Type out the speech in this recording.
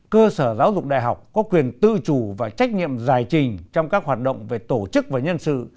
cơ sở giáo dục đại học có quyền tự chủ và trách nhiệm giải trình trong các hoạt động về tổ chức và nhân sự